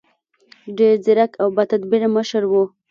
ډېر ځیرک او باتدبیره مشر و.